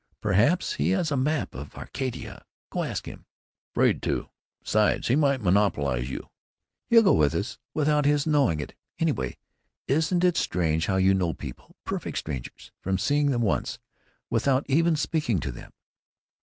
Perhaps he has a map of Arcadia. Go ask him." "Afraid to. Besides, he might monopolize you." "He'll go with us, without his knowing it, anyway. Isn't it strange how you know people, perfect strangers, from seeing them once, without even speaking to them?